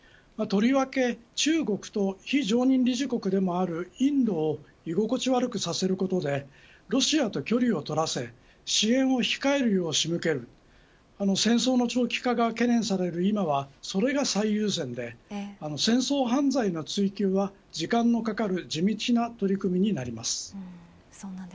とりわけ中国と非常任理事国でもあるインドを居心地悪くさせることでロシアと距離をとらせ支援を控えるように仕向ける戦争の長期化が懸念される今はそれが最優先で戦争犯罪の追及は時間のかかる地道な取り組みになります。